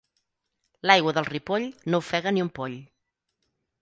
L'aigua del Ripoll no ofega ni un poll.